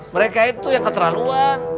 mereka itu yang keterlaluan